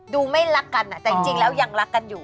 ไม่รักกันแต่จริงแล้วยังรักกันอยู่